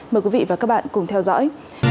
mời quý vị và các bạn cùng theo dõi